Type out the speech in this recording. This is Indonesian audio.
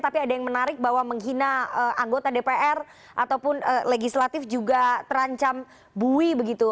tapi ada yang menarik bahwa menghina anggota dpr ataupun legislatif juga terancam bui begitu